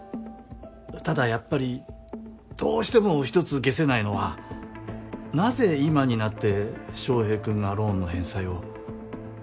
ただやっぱりどうしても一つ解せないのはなぜ今になって翔平君がローンの返済を。